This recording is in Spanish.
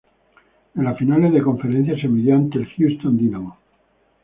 En las finales de conferencia se midió ante el Houston Dynamo.